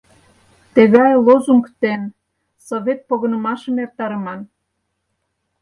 Тыгай лозунг дене Совет погынымашым эртарыман.